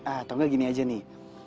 ah tau gak gini aja nih